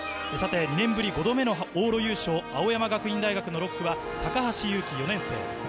さて２年ぶり５度目の往路優勝、青山学院大学の６区は高橋勇輝・４年生。